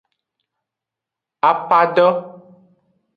Apado.